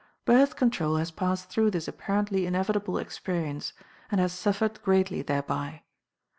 Birth Control has passed through this apparently inevitable experience, and has suffered greatly thereby.